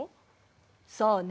そうね。